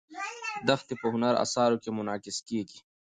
دښتې په هنري اثارو کې منعکس کېږي.